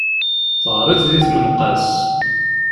Teɣriḍ di tmenqas.